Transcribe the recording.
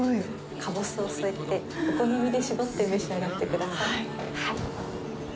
カボスを添えて、お好みで搾って召し上がってください。